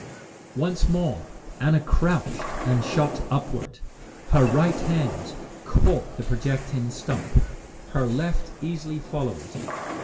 Once more Anna crouched and shot upward. Her right hand caught the projecting stump, her left easily followed.